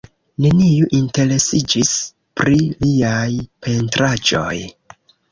Neniu interesiĝis pri liaj pentraĵoj.